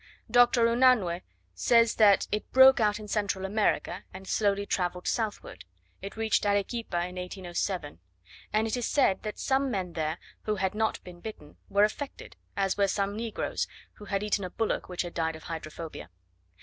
Dr. Unanue says that it broke out in Central America, and slowly travelled southward. It reached Arequipa in 1807; and it is said that some men there, who had not been bitten, were affected, as were some negroes, who had eaten a bullock which had died of hydrophobia.